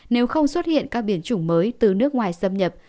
nếu không xuất hiện các biển chủng mới từ nước ngoài xâm nhập